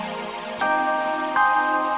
terima kasih pak